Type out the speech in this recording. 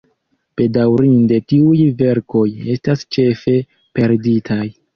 Bedaŭrinde tiuj verkoj estas ĉefe perditaj.